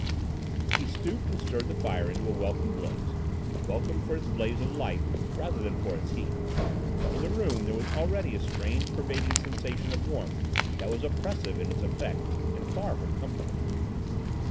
He stooped and stirred the fire into a welcome blaze—welcome for its blaze of light rather than for its heat. In the room there was already a strange pervading sensation of warmth that was oppressive in its effect and far from comforting.